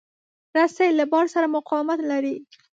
رسۍ له بار سره مقاومت لري.